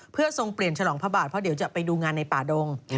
เพื่อทรงเปลี่ยนฉลองพระบาทเพราะเดี๋ยวจะไปดูงานในป่าดง